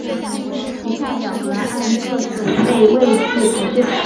以下表格按各守备位置排序。